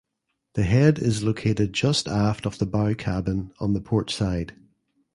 The head is located just aft of the bow cabin on the port side.